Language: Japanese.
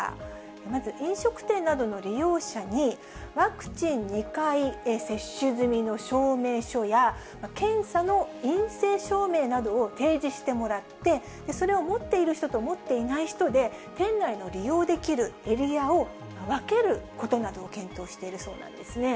まず飲食店などの利用者に、ワクチン２回接種済みの証明書や、検査の陰性証明などを提示してもらって、それを持っている人と持っていない人で、店内の利用できるエリアを分けることなどを検討しているそうなんですね。